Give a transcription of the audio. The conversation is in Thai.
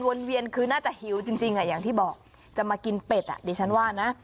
เวียนคือน่าจะหิวจริงอ่ะอย่างที่บอกจะมากินเป็ดอ่ะดิฉันว่านะ